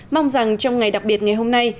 mong rằng trong ngày đặc biệt ngày hôm nay